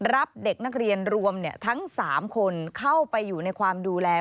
รับเด็กนักเรียนรวมทั้ง๓คนเข้าไปอยู่ในความดูแล